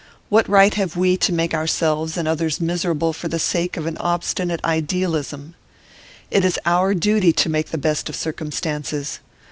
What right have we to make ourselves and others miserable for the sake of an obstinate idealism? It is our duty to make the best of circumstances.